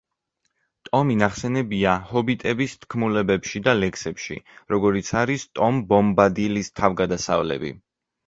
ტომი ნახსენებია ჰობიტების თქმულებებში და ლექსებში, როგორიც არის „ტომ ბომბადილის თავგადასავლები“.